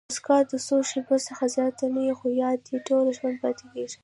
مسکا د څو شېبو څخه زیاته نه يي؛ خو یاد ئې ټوله ژوند پاتېږي.